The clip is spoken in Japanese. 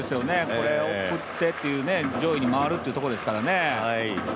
これを送ってと、上位に回るということですからね。